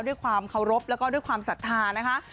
ด้วยความเคารพแล้วก็ด้วยความศรัทธานะคะ